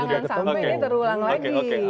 jangan sampai ini terulang lagi